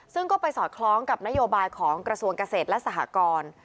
ซึ่งก็ไปสอดคล้องกับนโยบายของกระทรวงเกษตรและสหกร